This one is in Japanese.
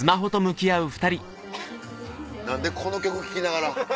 何でこの曲聞きながら。